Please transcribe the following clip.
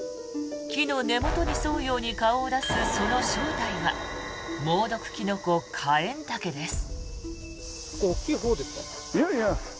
木の根元に沿うように顔を出すその正体は猛毒キノコ、カエンタケです。